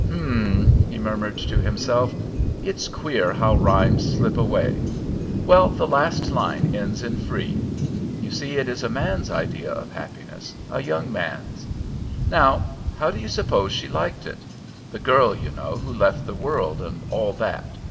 "Hm m m," he murmured to himself, "it's queer how rhymes slip away. Well, the last line ends in free. You see, it is a man's idea of happiness, a young man's. Now, how do you suppose she liked it, the girl, you know, who left the world, and all that?